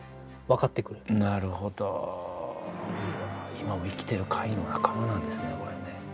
今も生きてる貝の仲間なんですねこれね。